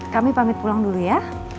kami pamit pulang dulu ya